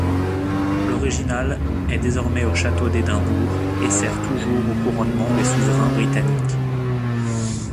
L'originale est désormais au château d'Édimbourg et sert toujours au couronnement des souverains britanniques.